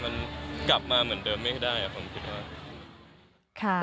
มันกลับมาเหมือนเดิมไม่ให้ได้ผมคิดว่า